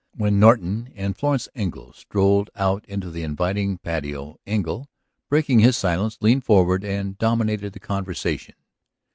When Norton and Florence Engle strolled out into the inviting patio Engle, breaking his silence, leaned forward and dominated the conversation.